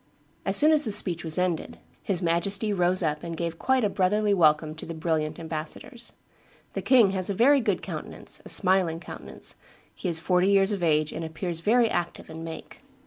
As soon as the speech was ended, his Majesty rose up and gave quite a brotherly welcome to the brilliant ambassadors. The king has a very good countenance, a smiling countenance; he is forty years of age, and appears very active in make.